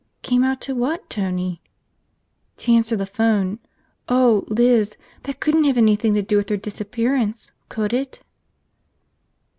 "Came out to what, Tony?" "To answer the phone. Oh, Liz, that couldn't have anything to do with her disappearance, could it?"